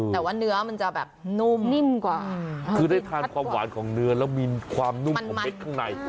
แต่ว่าเนื้อมันจะแบบนุ่มนิ่มกว่าคือได้ทานความหวานของเนื้อแล้วมีความนุ่มของเม็ดข้างใน